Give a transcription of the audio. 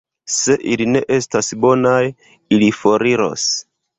Se ili ne estas bonaj, ili foriros.